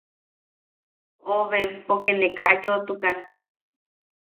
Oben poke ne ka yoʼotukan.